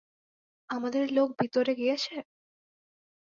আমাদের লোক ভেতরে গিয়েছে?